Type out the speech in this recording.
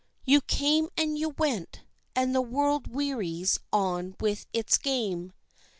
You came and you went, and the world wearies on with its game.